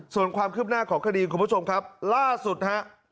ส่วนความคืบหน้าของคดีคุณผู้ชมครับล่าสุดฮะ